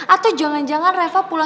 atau jangan jangan reva bisa berubah